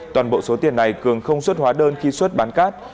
toàn bộ số tiền này cường không xuất hóa đơn khi xuất bán cát